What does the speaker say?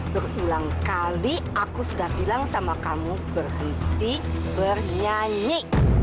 berulang kali aku sudah bilang sama kamu berhenti bernyanyi